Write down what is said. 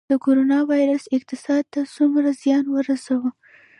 د کرونا ویروس اقتصاد ته څومره زیان ورساوه؟